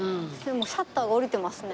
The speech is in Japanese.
シャッターが下りてますね。